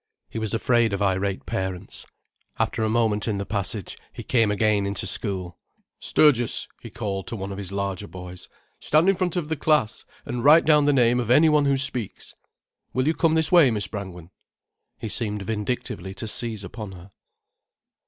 He was afraid of irate parents. After a moment in the passage, he came again into school. "Sturgess," he called to one of his larger boys. "Stand in front of the class and write down the name of anyone who speaks. Will you come this way, Miss Brangwen." He seemed vindictively to seize upon her.